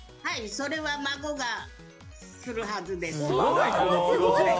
それは孫がするはずです。